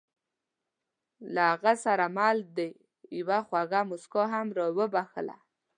له هغه سره مل دې یوه خوږه موسکا هم را وبښله.